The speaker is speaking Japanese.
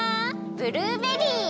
ブルーベリー！